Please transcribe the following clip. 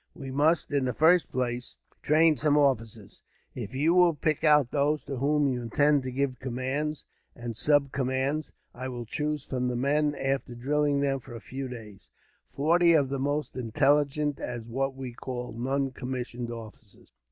We must, in the first place, train some officers. If you will pick out those to whom you intend to give commands, and subcommands; I will choose from the men, after drilling them for a few days, forty of the most intelligent as what we call noncommissioned officers.